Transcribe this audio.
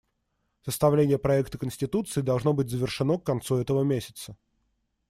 Составление проекта конституции должно быть завершено к концу этого месяца.